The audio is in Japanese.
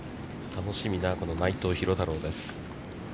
楽しみな、この内藤寛太郎です。